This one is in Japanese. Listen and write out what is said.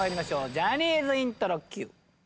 ジャニーズイントロＱ。